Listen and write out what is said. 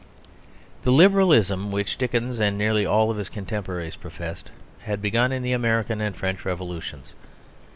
The Liberalism which Dickens and nearly all of his contemporaries professed had begun in the American and the French Revolutions.